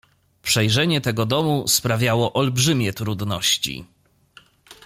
"Przejrzenie tego domu sprawiało olbrzymie trudności."